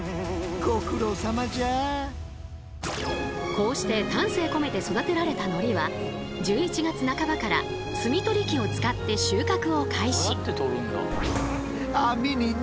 こうして丹精込めて育てられた海苔は１１月半ばから摘み取り機を使って収穫を開始。